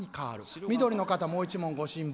緑の方もう一問ご辛抱。